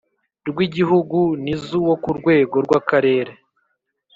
Rw igihugu n iz uwo ku rwego rw akarere